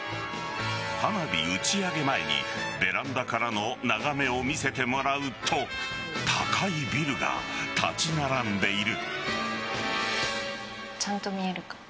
花火打ち上げ前にベランダからの眺めを見せてもらうと高いビルが建ち並んでいる。